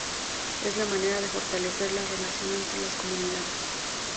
Es la manera de fortalecer la relación entre las comunidades.